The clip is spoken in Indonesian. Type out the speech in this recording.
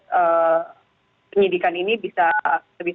penyidikan ini bisa lebih